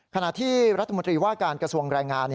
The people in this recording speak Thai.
ขณะที่รัฐมนตรีว่าการกระทรวงแรงงาน